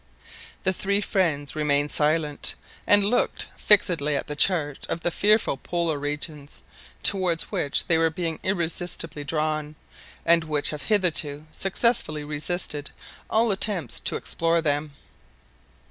The three friends remained silent, and looked fixedly at the chart of the fearful Polar regions, towards which they were being irresistibly drawn, and which have hitherto successfully resisted all attempts to explore them.